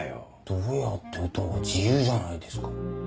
どうやって打とうが自由じゃないですか。